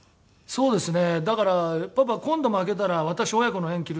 そうですね。